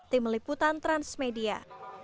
tim liputan transmedia